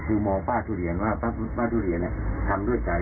คือมองป้าทุเรียนว่าป้าทุเรียนทำด้วยใจ